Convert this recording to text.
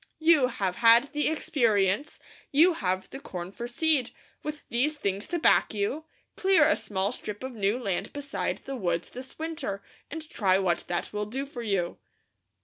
You have had the experience, you have the corn for seed; with these things to back you, clear a small strip of new land beside the woods this winter, and try what that will do for you."